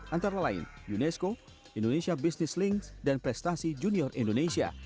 antara lain unesco indonesia business links dan prestasi junior indonesia